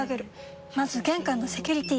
まず玄関のセキュリティ！